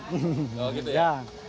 oh gitu ya